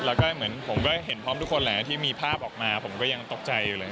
แล้วก็เหมือนผมก็เห็นพร้อมทุกคนแหละที่มีภาพออกมาผมก็ยังตกใจอยู่เลย